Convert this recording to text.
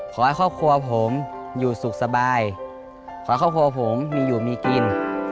ขอให้ครอบครัวผมอยู่สุขสบายขอให้ครอบครัวผมมีอยู่มีกิน